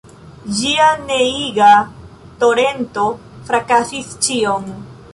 Ĝia neniiga torento frakasis ĉion.